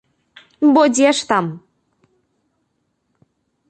Бо дзе ж там!